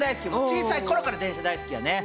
小さい頃から電車大好きやね！